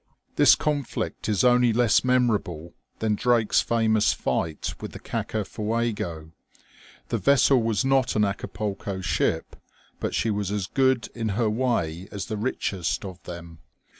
This conflict is only less memorable than Drake's famous fight with the Caca/uego. The vessel was not an Acapulco ship, but she was as good in her way as the richest of them.